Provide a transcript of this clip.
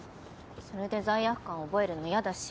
それで罪悪感覚えるの嫌だし。